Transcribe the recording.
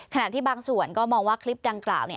ขณะที่บางส่วนก็มองว่าคลิปดังกล่าว